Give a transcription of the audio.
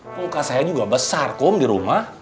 muka saya juga besar kom di rumah